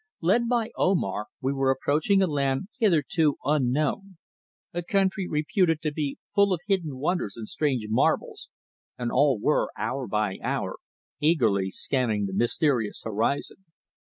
Led by Omar we were approaching a land hitherto unknown; a country reputed to be full of hidden wonders and strange marvels, and all were, hour by hour, eagerly scanning the mysterious horizon.